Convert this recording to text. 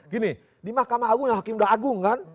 gini di mahkamah agung yang hakim udah agung kan